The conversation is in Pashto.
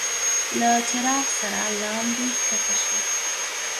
له څراغ سره لاندي کښته شو.